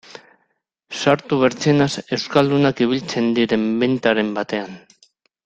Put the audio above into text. Sartu bertzenaz euskaldunak ibiltzen diren bentaren batean...